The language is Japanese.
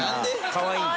かわいい。